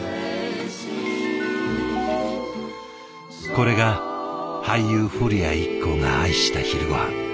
これが俳優古谷一行が愛した昼ごはん。